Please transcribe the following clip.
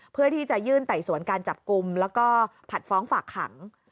เพื่อที่จะยื่นไต่สวนการจับกลุ่มแล้วก็ผัดฟ้องฝากขัง